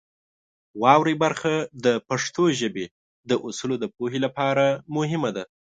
واورئ برخه د پښتو ژبې د اصولو د پوهې لپاره مهمه ده.